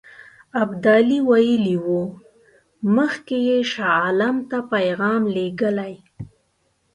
ابدالي ویلي وو مخکې یې شاه عالم ته پیغام لېږلی.